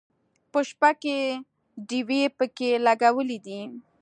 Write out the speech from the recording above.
په شپه کې ډیوې پکې لګولې دي.